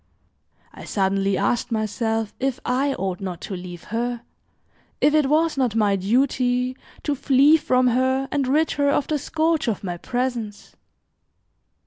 I suddenly asked myself if I ought not to leave her, if it was not my duty to flee from her and rid her of the scourge of my presence.